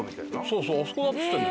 そうそうあそこだっつって。